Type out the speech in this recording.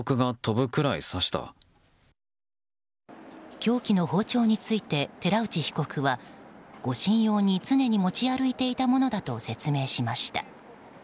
凶器の包丁について寺内被告は護身用に常に持ち歩いていたものだと説明しました。